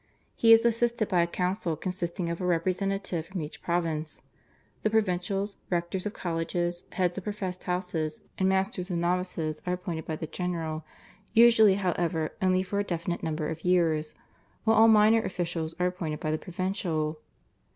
He is assisted by a council consisting of a representative from each province. The provincials, rectors of colleges, heads of professed houses, and masters of notices are appointed by the general, usually, however, only for a definite number of years, while all minor officials are appointed by the provincial.